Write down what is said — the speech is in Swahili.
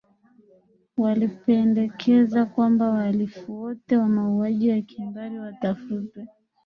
walipendekeza kwamba wahalifu wote wa mauaji ya kimbari watafutwe